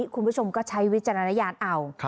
คุณผู้ชมก็ใช้วิจารณญาณเอา